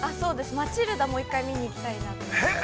「マチルダ」もう一回見に行きたいなと思って。